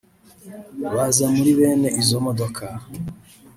baza muri bene izo modoka